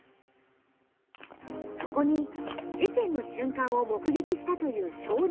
そこに事件の瞬間を目撃したという証人が現れる。